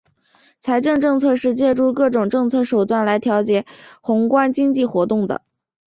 财政政策是借助各种政策手段来调节宏观经济活动的。